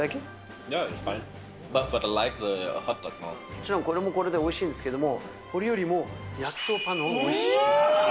もちろんこれもこれでおいしいんですけど、これよりも焼きそばパンのほうがおいしいって。